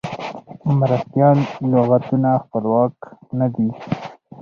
مرستیال لغتونه خپلواک نه دي.